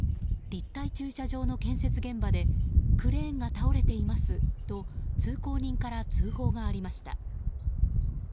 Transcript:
立体駐車場の建設現場でクレーンが倒れていますと通行人から通報がありました。